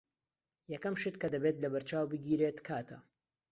یەکەم شت کە دەبێت لەبەرچاو بگیرێت کاتە.